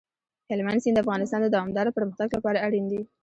هلمند سیند د افغانستان د دوامداره پرمختګ لپاره اړین دي.